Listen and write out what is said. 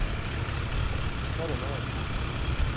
mikʰaranaan